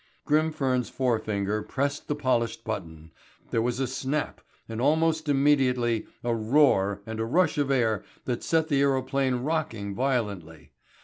Grimfern's forefinger pressed the polished button, there was a snap and almost immediately a roar and a rush of air that set the aerophane rocking violently.